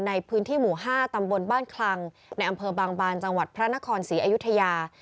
ในพื้นที่หมู่๕ตำบลบ้านคลังในอำเภอบางบานจังหวัดพระนครศรีอยุธยา